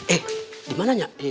eh dimana nyak